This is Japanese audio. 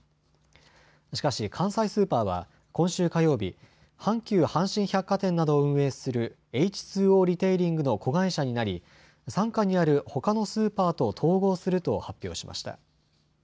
しかし関西スーパーは今週火曜日、阪急阪神百貨店などを運営するエイチ・ツー・オーリテイリングの子会社になり傘下にあるほかのスーパーと統合すると発表しました。